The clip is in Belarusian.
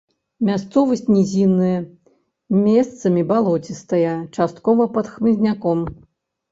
Мясцовасць нізінная, месцамі балоцістая, часткова пад хмызняком.